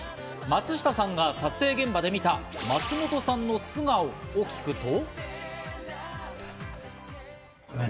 松下さんが撮影現場で見た松本さんの素顔を聞くと。